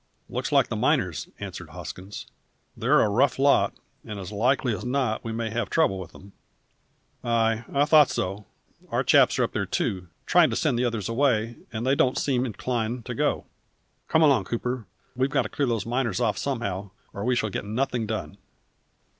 "Looks like the miners," answered Hoskins. "They're a rough lot, and as likely as not we may have trouble with 'em. Ay, I thought so! Our chaps are up there too, trying to send the others away, and they don't seem inclined to go. Come along, Cooper, we've got to clear those miners off somehow, or we shall get nothing done."